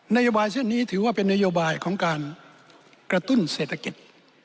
นโยบายเช่นนี้ถือว่าเป็นนโยบายของการกระตุ้นเศรษฐกิจ